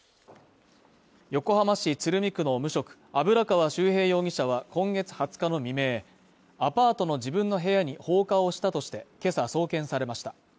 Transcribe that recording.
横浜市鶴見区の無職油川秀平容疑者は、今月２０日の未明、アパートの自分の部屋に放火をしたとして、けさ送検されました。